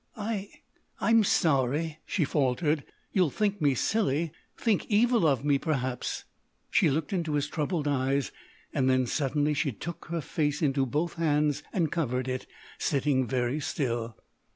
"I—I'm sorry——" she faltered.... "You'll think me silly—think evil of me, perhaps——" She looked into his troubled eyes, then suddenly she took her face into both hands and covered it, sitting very still.